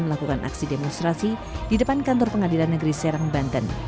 melakukan aksi demonstrasi di depan kantor pengadilan negeri serang banten